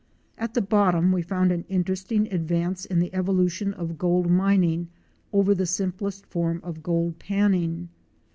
At the bottom we found an interesting advance in the evolution of gold mining over the simplest form of gold pan ning.